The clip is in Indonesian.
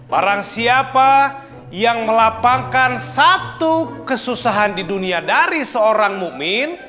barang siapa yang melapangkan satu kesusahan di dunia dari seorang mu'min